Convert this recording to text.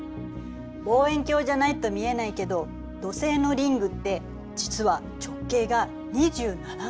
望遠鏡じゃないと見えないけど土星のリングって実は直径が２７万ｋｍもあるのよ。